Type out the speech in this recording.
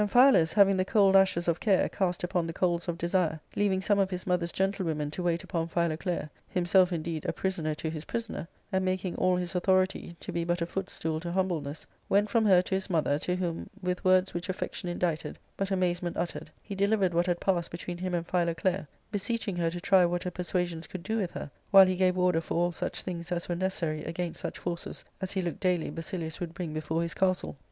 12: ' Amphialus, having the cold ashes of care cast upon the coals of desire, leaving some of his mother's gentlewomen to wait upon Philoclea, himself, indeed, a prisoner to his prisoner, and making all his authority to be but a footstool to humbleness, went from her to his mother, to whom, with words which affection indited, but amazement uttered, he delivered what had passed between him and Philoclea, be seeching her to try what her persuasions could do with her, "while he gave order for all such things as were necessary against such forces as he looked daily Basilius would bring before his castle.